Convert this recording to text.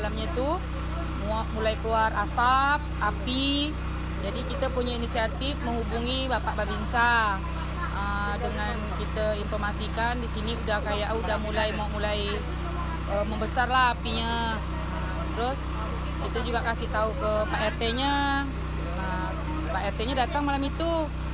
membaras sejak selasa lalu